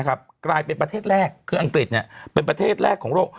กลายเป็นประเทศแรกคืออังกฤษเป็นประเทศแรกของโลก